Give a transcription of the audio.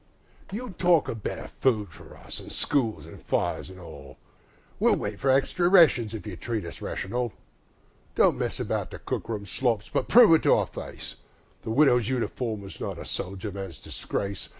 You talk o' better food for us, an' schools, an' fires, an' all: We'll wait for extry rations if you treat us rational. Don't mess about the cook room slops, but prove it to our face The Widow's Uniform is not the soldier man's disgrace.